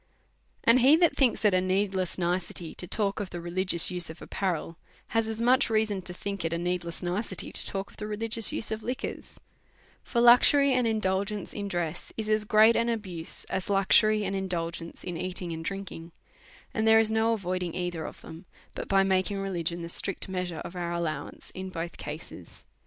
And he that thinks it a needless nicety to talk of the religious use of apparel, has as much reason to think it a needless nicety to talk of the relig'ious use of li quors ; for luxury and indulgence in dress is as great an ahuse as luxury and indulgence in eating and drink ing ; and there is no avoiding either of tliem, but by making religion the strict measure of our allowance in both cases.